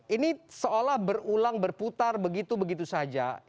ini seolah berulang berputar begitu begitu saja